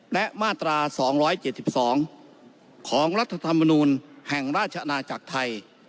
และมาตราสองร้อยเจ็ดสิบสองของรัฐธรรมนูญแห่งราชอาณาจักรไทย